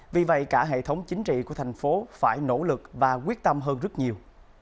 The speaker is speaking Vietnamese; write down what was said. vì vậy cả hệ thống chính trị của thành phố phải nỗ lực và quyết tâm hơn rất nhiều